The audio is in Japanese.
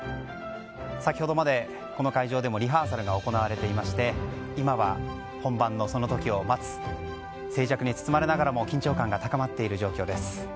先ほどまでこの会場でもリハーサルが行われていまして今は本番のその時を待つ静寂に包まれながらも緊張感が高まっている状況です。